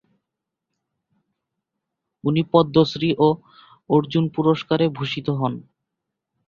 উনি পদ্মশ্রী ও অর্জুন পুরষ্কারে ভূষিত হন।